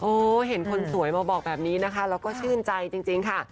เห็นคนสวยมาบอกแบบนี้นะคะแล้วก็ชื่นใจจริงค่ะ